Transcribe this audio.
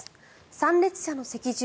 参列者の席順